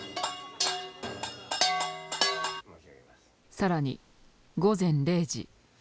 更に午前０時。